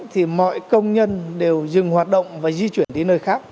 thì mọi công nhân đều dừng hoạt động và di chuyển đi nơi khác